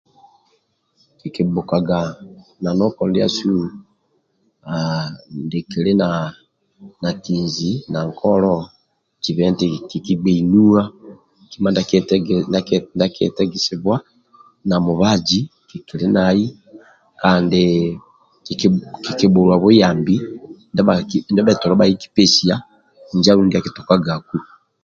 Kiki yatiyaga nanoko ndiasu nikili na kihinji na nkolo jobha nti kiki gbei nuwa kima ndia kyetagisibuwa na mubaji kikili nai kiki bulua buyambi ndibetolo bakiki pesia injo andulu ndia kitukagaku